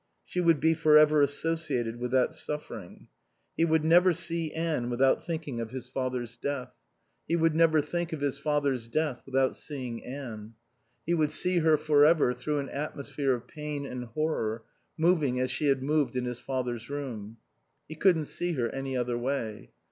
She would be for ever associated with that suffering. He would never see Anne without thinking of his father's death. He would never think of his father's death without seeing Anne. He would see her for ever through an atmosphere of pain and horror, moving as she had moved in his father's room. He couldn't see her any other way.